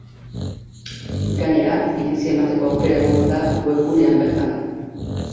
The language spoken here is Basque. Gainera, iritzia emateko aukera egongo da webgunean bertan.